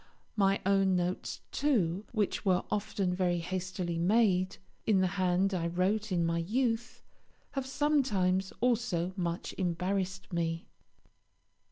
My own notes, too, which were often very hastily made, in the hand I wrote in my youth, have sometimes also much embarrassed me.